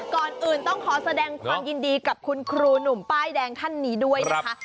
ก่อนอื่นต้องขอแสดงความยินดีกับคุณครูหนุ่มป้ายแดงท่านนี้ด้วยนะคะ